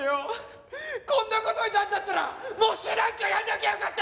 こんな事になるんだったら喪主なんかやらなきゃよかった！